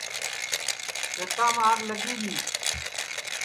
کھیتام آگ لگی گی